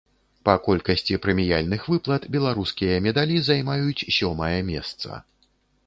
Па колькасці прэміяльных выплат беларускія медалі займаюць сёмае месца.